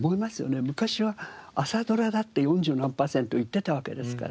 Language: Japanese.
昔は朝ドラだって四十何パーセントいってたわけですから。